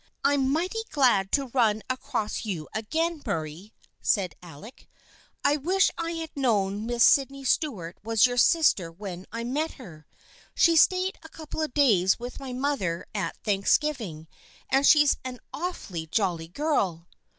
" I'm mighty glad to run across you again, Murray," said Alec. " I wish I had known Miss Sydney Stuart was your sister when I met her. She stayed a couple of days with my mother at Thanksgiving, and she's an awfully jolly girl."